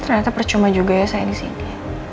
ternyata percuma juga ya saya di sini